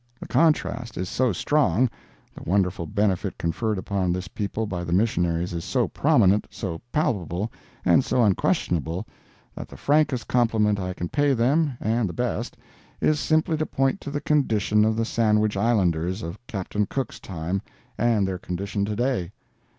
The contrast is so strong—the wonderful benefit conferred upon this people by the missionaries is so prominent, so palpable and so unquestionable, that the frankest compliment I can pay them, and the best, is simply to point to the condition of the Sandwich Islanders of Captain Cook's time, and their condition to day.